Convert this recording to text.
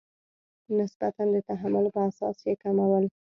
نسبتا د تحمل په اساس یې کمول.